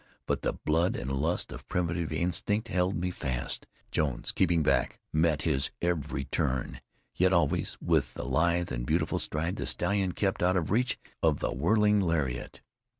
But the blood and lust of primitive instinct held me fast. Jones, keeping back, met his every turn. Yet always with lithe and beautiful stride the stallion kept out of reach of the whirling lariat.